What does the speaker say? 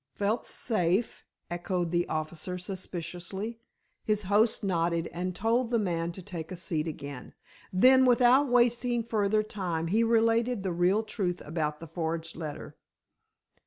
"Felt safe?" echoed the officer suspiciously. His host nodded and told the man to take a seat again. Then, without wasting further time, he related the real truth about the forged letter.